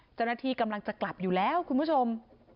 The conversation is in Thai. เจ้าหน้าที่กำลังจะกลับอยู่แล้วคุณผู้ชม